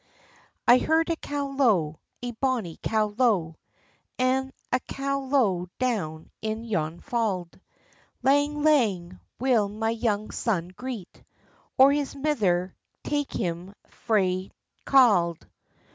I heard a cow low, a bonnie cow low, An' a cow low down in yon fauld; Lang, lang will my young son greet, Or is mither take him frae cauld.